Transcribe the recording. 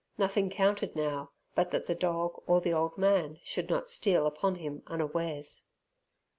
Nothing counted now, but that the dog or the old man should not steal upon him unawares.